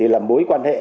là mối quan hệ